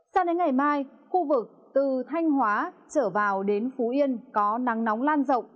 sao đến ngày mai khu vực từ thanh hóa trở vào đến phú yên có nắng nóng lan rộng